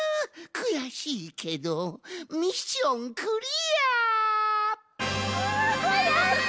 くやしいけどミッションクリア！わやった！